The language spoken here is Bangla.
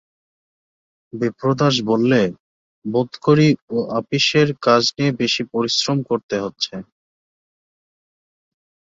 বিপ্রদাস বললে, বোধ করি আপিসের কাজ নিয়ে বেশি পরিশ্রম করতে হচ্ছে।